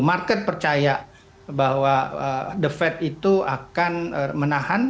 market percaya bahwa the fed itu akan menahan